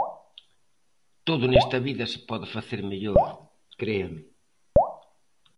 Todo nesta vida se pode facer mellor, créame.